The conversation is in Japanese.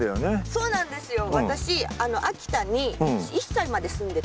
そうなんですよ。